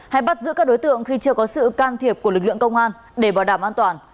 hay bắt giữ các đối tượng khi chưa có sự can thiệp của lực lượng công an để bảo đảm an toàn